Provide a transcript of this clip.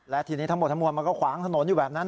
และทีนี้ทั้งหมดทั้งมวลมันก็ขวางถนนอยู่แบบนั้น